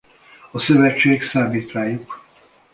A szövetség számít rájuk.